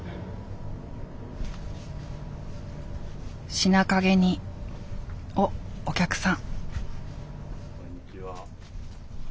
品陰におっお客さん。